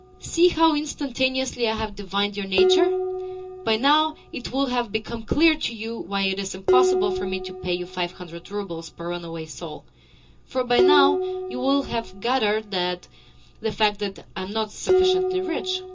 "See how instantaneously I have divined your nature! By now it will have become clear to you why it is impossible for me to pay you five hundred roubles per runaway soul: for by now you will have gathered the fact that I am not sufficiently rich.